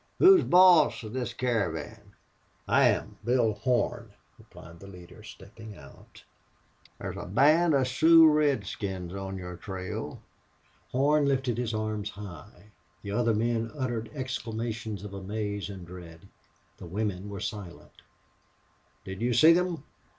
"Who's boss of this caravan?" "I am Bill Horn," replied the leader, stepping out. "Thar's a band of Sioux redskins on your trail." Horn lifted his arms high. The other men uttered exclamations of amaze and dread. The women were silent. "Did you see them?"